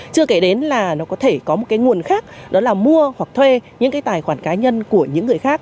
chưa kể đến là nó có thể có một cái nguồn khác đó là mua hoặc thuê những cái tài khoản cá nhân của những người khác